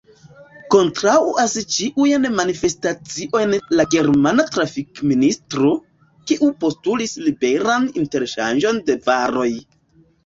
Kontraŭas ĉiujn manifestaciojn la germana trafikministro, kiu postulis liberan interŝanĝon de varoj.